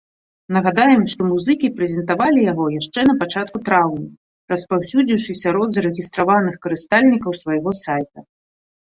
Нагадаем, што музыкі прэзентавалі яго яшчэ напачатку траўня, распаўсюдзіўшы сярод зарэгістраваных карыстальнікаў свайго сайта.